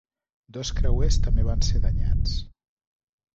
Dos creuers també van ser danyats.